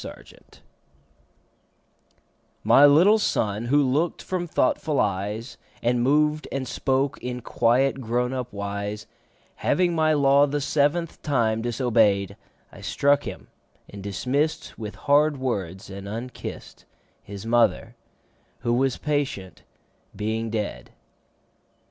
The Toys MY little Son, who look'd from thoughtful eyes And moved and spoke in quiet grown up wise, Having my law the seventh time disobey'd, I struck him, and dismiss'd With hard words and unkiss'd, 5 —His Mother, who was patient, being dead.